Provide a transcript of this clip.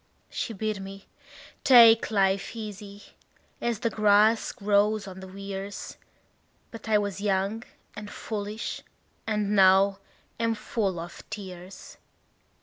She bid me take life easy, as the grass grows on the weirs; But I was young and foolish, and now am full of tears.